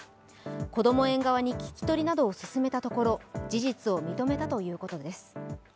こども園側に聞き取りなどを進めたところ事実を認めたということです。